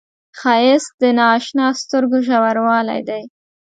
ښایست د نااشنا سترګو ژوروالی دی